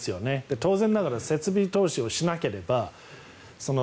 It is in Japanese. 当然ながら設備投資をしなければ。